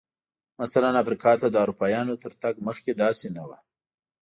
مثلاً افریقا ته د اروپایانو تر تګ مخکې داسې نه و.